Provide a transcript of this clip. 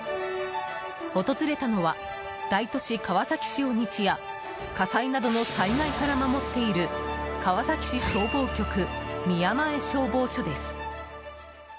訪れたのは、大都市・川崎市を日夜、火災などの災害から守っている川崎市消防局宮前消防署です。